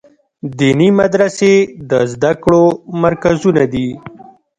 دیني مدرسې د زده کړو مرکزونه دي.